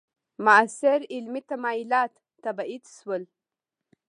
معاصر علمي تمایلات تبعید شول.